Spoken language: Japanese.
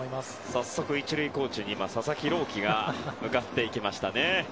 早速１塁コーチに佐々木朗希が向かいました。